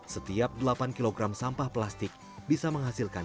setiap delapan kg sampah plastik bisa menghasilkan